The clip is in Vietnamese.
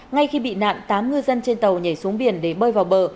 ngay khi bị nạn tám ngư dân trên tàu nhảy xuống biển để bơi vào bờ